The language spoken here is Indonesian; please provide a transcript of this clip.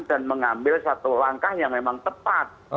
dan mengambil satu langkah yang memang tepat